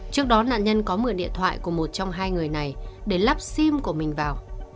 trước đó nạn nhân có mượn điện thoại của một trong hai người này để lắp sim của mình vào